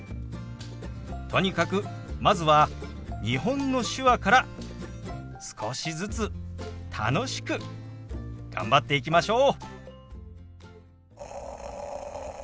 とにかくまずは日本の手話から少しずつ楽しく頑張っていきましょう。